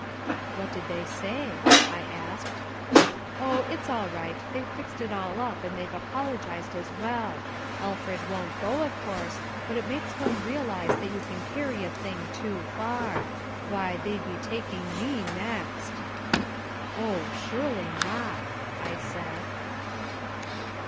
'" "What did they say," I asked. "Oh, it's all right. They've fixed it all up and they've apologized as well. Alfred won't go, of course, but it makes one realise that you can carry a thing too far. Why, they'd be taking me next!" "Oh, surely not!" I said.